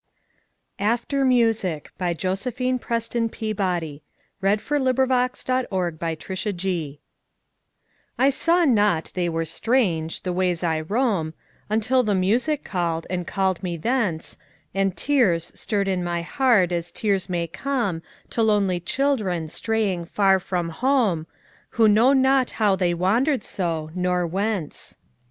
87–1900. 1900. By Josephine PrestonPeabody 1671 After Music I SAW not they were strange, the ways I roam, Until the music called, and called me thence, And tears stirred in my heart as tears may comeTo lonely children straying far from home, Who know not how they wandered so, nor whence.